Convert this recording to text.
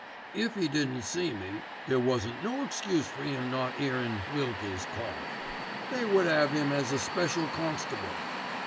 "If 'e didn't see me, there wasn't no excuse for 'im not 'earin' Wilkie's cough. They wouldn't 'ave 'im as a special constable.